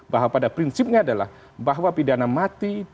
bahwa pada prinsipnya adalah bahwa pidana mati